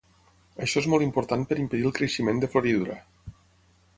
Això és molt important per impedir el creixement de floridura.